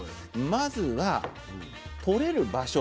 まずはとれる場所